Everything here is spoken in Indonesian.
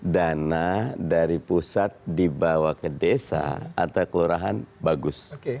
dana dari pusat dibawa ke desa atau kelurahan bagus